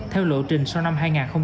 theo lộ trình sau năm